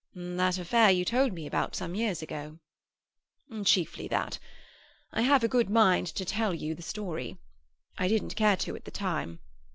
"That affair you told me about some years ago?" "Chiefly that. I have a good mind to tell you the true story; I didn't care to at the time.